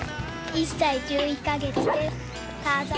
１歳１１カ月です。